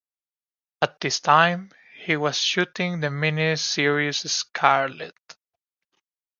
At this time, he was shooting the mini-series "Scarlett".